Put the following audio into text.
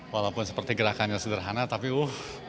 walaupun seperti gerakan yang sederhana tapi wuh